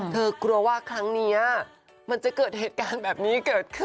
กลัวว่าครั้งนี้มันจะเกิดเหตุการณ์แบบนี้เกิดขึ้น